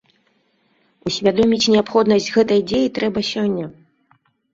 Усвядоміць неабходнасць гэтай дзеі трэба сёння.